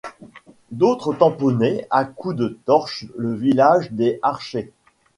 D’autres tamponnaient à coups de torches le visage des archers.